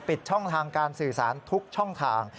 ปิดช่องทางการสื่อสารทุกช่องทาง